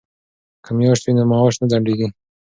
که میاشت وي نو معاش نه ځنډیږي.